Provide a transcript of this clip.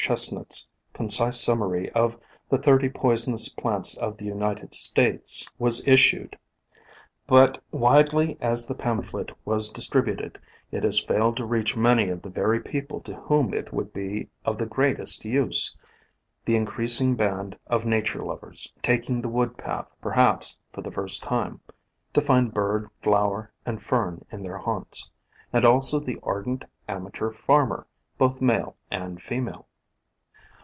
R. Chestnut's concise summary of the "Thirty Poisonous Plants of the United States" was issued. But widely as the pamphlet was distributed, it has failed to reach many of the very people to whom it would be of the greatest use, — the increasing band of nature lovers, tak ing the wood path perhaps for the first time, to find bird, flower, and fern in their haunts, and also the ardent amateur farmer, both male and female.